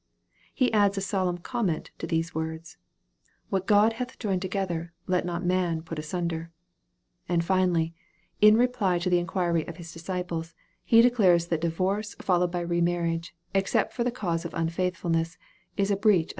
He adds a solemn comment to these words " What God hath joined together, let not man put asunder." And finally, in reply to the inquiry of His disciples, he declares that divorce followed by re marriage, except for the cause of unfaithfulness, is a breach of the seventh commandment.